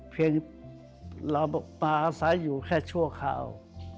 เรามาอาศัยอยู่แค่ชั่วคราว